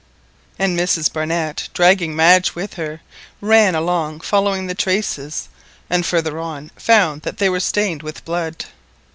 And Mrs Barnett, dragging Madge with her, ran along following the traces, and further on found that they were stained with blood.